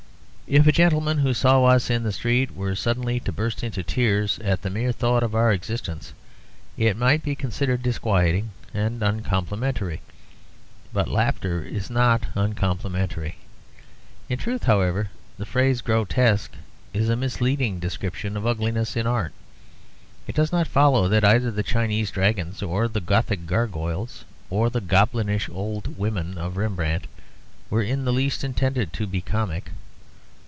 If a gentleman who saw us in the street were suddenly to burst into tears at the mere thought of our existence, it might be considered disquieting and uncomplimentary; but laughter is not uncomplimentary. In truth, however, the phrase 'grotesque' is a misleading description of ugliness in art. It does not follow that either the Chinese dragons or the Gothic gargoyles or the goblinish old women of Rembrandt were in the least intended to be comic.